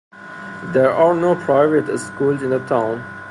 There are no private schools in the town.